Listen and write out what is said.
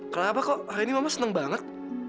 kenapa kok hari ini mama senang banget